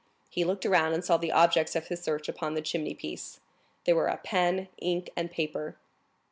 He looked around and saw the objects of his search upon the chimney piece; they were a pen, ink, and paper.